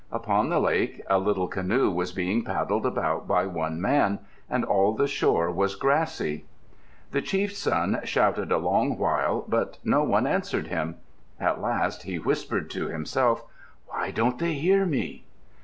Upon the lake a little canoe was being paddled about by one man, and all the shore was grassy. The chief's son shouted a long while but no one answered him. At last he whispered to himself, "Why don't they hear me?"